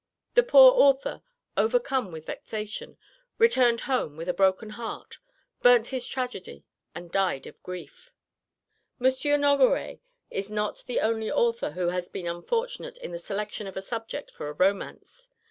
The poor author, overcome with vexation, returned home with a broken heart, burnt his tragedy, and died of grief. M. Nogaret is not the only author who has been unfortunate in the selection of a subject for a romance.